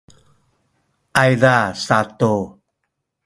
ayza satu